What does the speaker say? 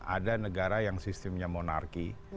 ada negara yang sistemnya monarki